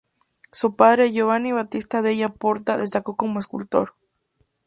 Su padre, Giovanni Battista della Porta, destacó como escultor.